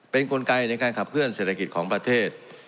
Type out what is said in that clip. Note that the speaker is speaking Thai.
เป็นกลไกในการขับเคลื่อเศรษฐกิจของประเทศ